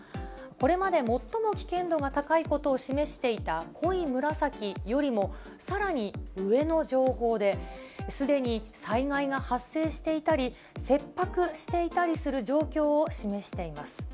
これまで最も危険度が高いことを示していた濃い紫よりも、さらに上の情報で、すでに災害が発生していたり、切迫していたりする状況を示しています。